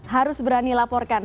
harus berani laporkan